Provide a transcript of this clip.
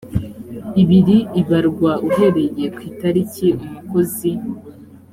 ibiri ibarwa uhereye ku itariki umukozi